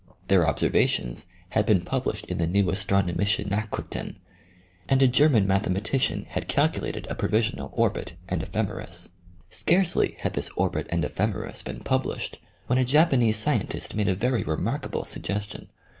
Their observations had been published in the Neuastronomischenachrichten, and a German mathematician had calculated a provisional orbit and ephemeris. Scarcely had this orbit and ephemeris been published, when a Japanese scientist made a very remarkable sugges tion.